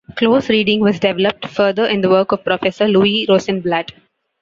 Close reading was developed further in the work of Professor Louise Rosenblatt.